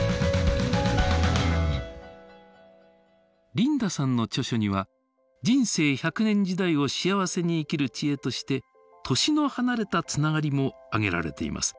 リンダさんの著書には人生１００年時代を幸せに生きる知恵として「年の離れたつながり」も挙げられています。